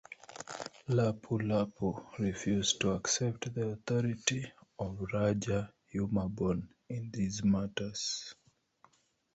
Lapu-Lapu refused to accept the authority of Rajah Humabon in these matters.